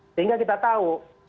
sehingga kita tahu